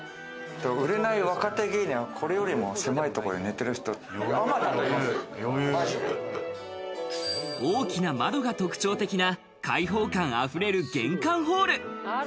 売れない若手芸人は、これよりも狭いところで大きな窓が特徴的な開放感あふれる玄関ホール。